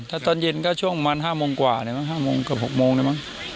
ถ้าตอนเย็นก็ช่วงประมาณ๕โมงกว่าเนี่ยมั้ง๕โมงเกือบ๖โมงได้มั้ง